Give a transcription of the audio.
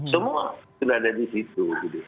semua sudah ada di situ